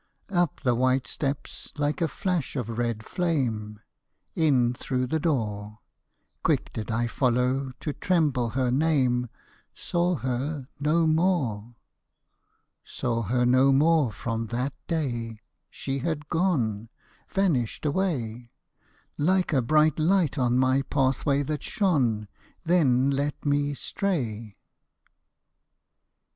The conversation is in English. Up the white steps like a flash of red flame, In through the door ; Quick did I follow to tremble her name — Saw her no more. Saw her no more from that day — she had gone, Vanished away. Like a bright light on my pathway that shone. Then let me stray.